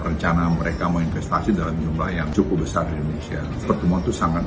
rencana mereka mau investasi dalam jumlah yang cukup besar di indonesia pertemuan itu sangat